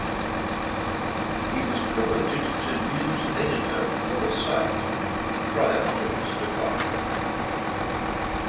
He was promoted to news editor for the site prior to his departure.